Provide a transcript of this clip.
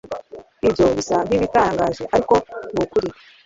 Ibyo bisa nkibitangaje ariko nukuri